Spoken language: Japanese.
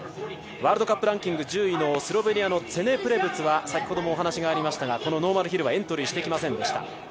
ワールドカップランキング１０位のスロベニアのツェネ・プレブツは先ほどもお話がありましたが、ノーマルヒルはエントリーしてきませんでした。